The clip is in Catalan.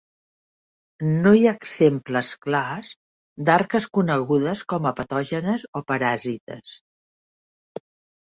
No hi ha exemples clars d'arques conegudes com a patògenes o paràsites.